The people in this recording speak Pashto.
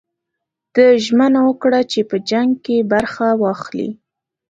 ده ژمنه وکړه چې په جنګ کې برخه واخلي.